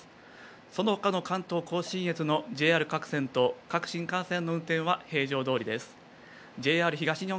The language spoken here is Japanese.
そのほかの関東甲信越のＪＲ各線と各新幹線の運転は平常どおりです。